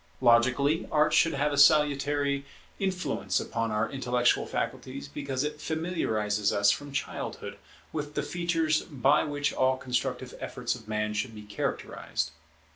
Logically, Art should have a salutary influence upon our intellectual faculties, because it familiarizes us from childhood with the features by which all constructive efforts of man should be characterized.